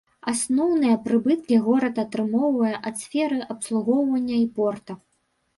Асноўныя прыбыткі горад атрымоўвае ад сферы абслугоўвання і порта.